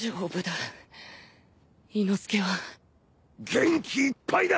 元気いっぱいだ！